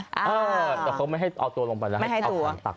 เออแต่เขาไม่ให้เอาตัวลงไปแล้วไม่ให้ตัว